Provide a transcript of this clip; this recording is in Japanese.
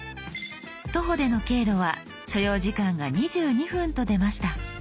「徒歩」での経路は所要時間が２２分と出ました。